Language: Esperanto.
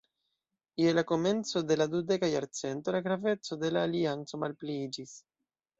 Je la komenco de la dudeka jarcento la graveco de la alianco malpliiĝis.